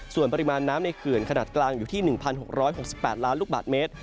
ส่วนปริมาณน้ำในเขื่อนขนาดกลางอยู่ที่๑๖๖๘ล้านลูกบาทเมตร